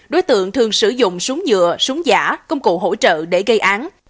đối tượng thường sử dụng súng nhựa súng giả công cụ hỗ trợ để gây án